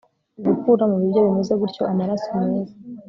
gukura mu biryo bimeze gutyo amaraso meza